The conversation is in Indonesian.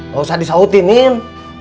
gak usah disautin min